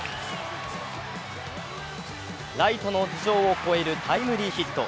ライトの頭上を越えるタイムリーヒット。